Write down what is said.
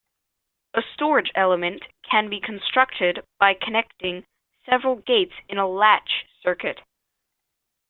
A storage element can be constructed by connecting several gates in a "latch" circuit.